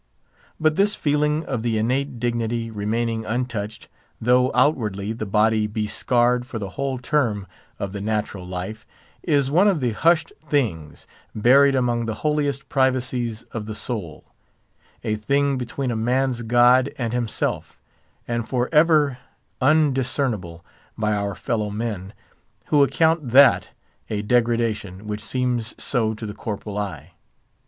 But this feeling of the innate dignity remaining untouched, though outwardly the body be scarred for the whole term of the natural life, is one of the hushed things, buried among the holiest privacies of the soul; a thing between a man's God and himself; and for ever undiscernible by our fellow men, who account that a degradation which seems so to the corporal eye.